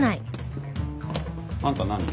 あんた何？